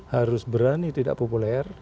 harus berani tidak populer